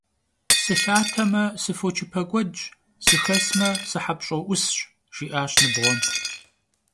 «Sılhateme, sıfoçıpek'uedş, sıxesme, sıhepş'o 'Usş» jji'aş nıbğuem.